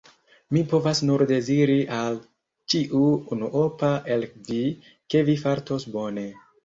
Mi povas nur deziri al ĉiu unuopa el vi, ke vi fartos bone.